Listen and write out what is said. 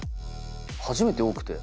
初めて多くて。